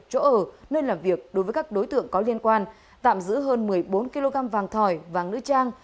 chỗ ở nơi làm việc đối với các đối tượng có liên quan tạm giữ hơn một mươi bốn kg vàng thỏi vàng nữ trang